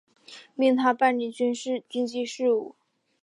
命他办理军机事务。